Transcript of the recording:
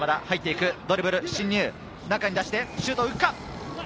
入っていく、ドリブル進入、中に出してシュートに行くか。